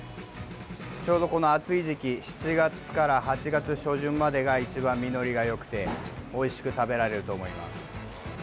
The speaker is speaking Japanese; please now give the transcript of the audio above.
ちょうど、この暑い時期７月から８月初旬までが一番実りがよくておいしく食べられると思います。